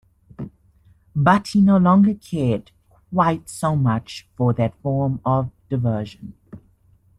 But he no longer cared quite so much for that form of diversion.